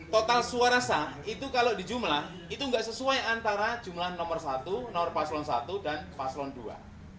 total suara sah itu kalau di jumlah itu nggak sesuai antara jumlah nomor satu nomor paslon satu dan paslon dua